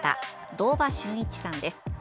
堂場瞬一さんです。